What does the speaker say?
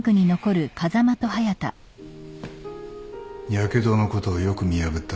やけどのことをよく見破ったな。